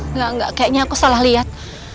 enggak enggak kayaknya aku salah lihat